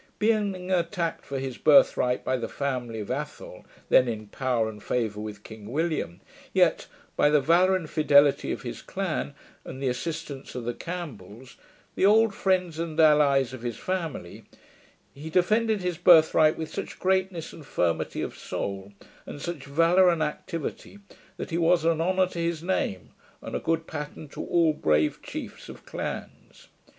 Being attacked for his birthright by the family of ATHOLL, then in power and favour with KING WILLIAM, yet, by the valour and fidelity of his clan, and the assistance of the CAMPBELLS, the old friends and allies of his family, he defended his birthright with such greatness and fermety of soul, and such valour and activity, that he was an honour to his name, and a good pattern to all brave Chiefs of clans.